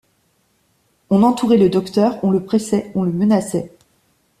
On entourait le docteur ; on le pressait, on le menaçait.